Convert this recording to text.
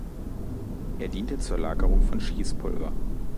Er diente zur Lagerung von Schießpulver.